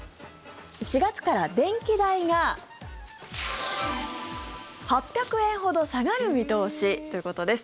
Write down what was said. ４月から電気代が８００円ほど下がる見通しということです。